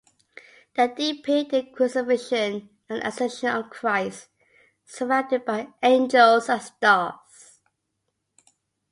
They depict the Crucifixion and Ascension of Christ surrounded by angels and stars.